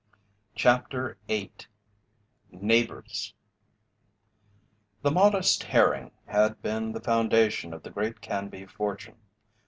CHAPTER VIII NEIGHBOURS The modest herring had been the foundation of the great Canby fortune.